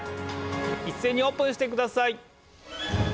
いっせいにオープンしてください！